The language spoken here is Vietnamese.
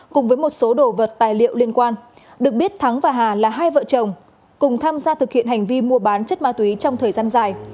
cùng với một số đồ vật tài liệu liên quan được biết thắng và hà là hai vợ chồng cùng tham gia thực hiện hành vi mua bán chất ma túy trong thời gian dài